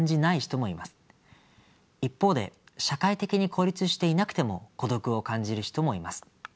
一方で社会的に孤立していなくても孤独を感じる人もいます。